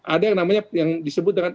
ada yang disebut dengan